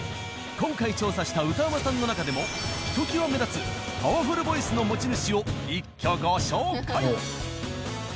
今回調査した歌うまさんの中でもひときわ目立つパワフルボイスの持ち主を一挙ご紹介。